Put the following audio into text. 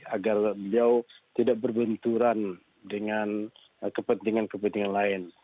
agar beliau tidak berbenturan dengan kepentingan kepentingan lain